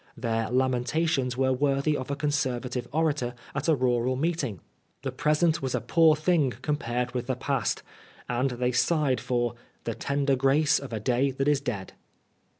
Their lamentations were worthy of a Conservative orator at a rural meet ing. The present was a poor thing compared with the past, and they sighed for " the tender grace of a day that is dead."